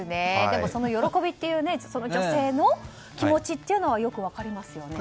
でも、その喜びという女性の気持ちというのはよく分かりますよね。